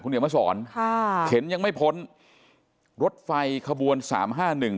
เดี๋ยวมาสอนค่ะเข็นยังไม่พ้นรถไฟขบวนสามห้าหนึ่ง